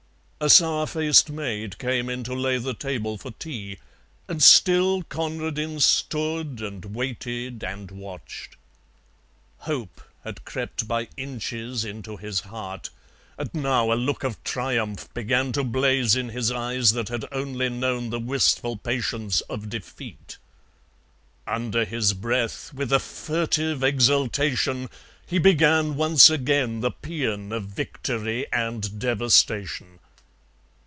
A sour faced maid came in to lay the table for tea, and still Conradin stood and waited and watched. Hope had crept by inches into his heart, and now a look of triumph began to blaze in his eyes that had only known the wistful patience of defeat. Under his breath, with a furtive exultation, he began once again the paean of victory and devastation.